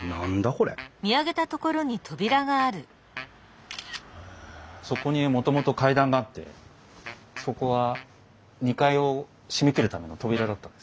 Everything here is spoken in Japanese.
これそこにもともと階段があってそこは２階を閉めきるための扉だったんです。